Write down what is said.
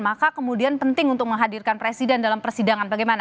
maka kemudian penting untuk menghadirkan presiden dalam persidangan bagaimana